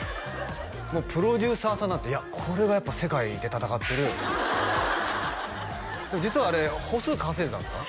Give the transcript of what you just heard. もうプロデューサーさんなんていやこれがやっぱ世界で闘ってる実はあれ歩数稼いでたんですか？